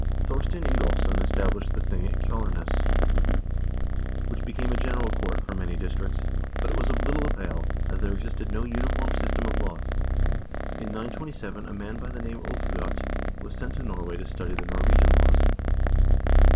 Thorstein Ingol vsson established the thing at Kjalarnes, which became a general court for many districts, but it was of little avail, as there existed no uniform system of laws. In 927 a man by the name of Ulvljot was sent to Norway to study fee Norwegian laws.